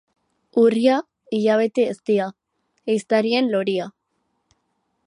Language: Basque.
Urria, hilabete eztia, ehiztarien loria.